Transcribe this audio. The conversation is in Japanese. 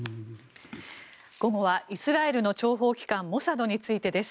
午後はイスラエルの諜報機関、モサドについてです。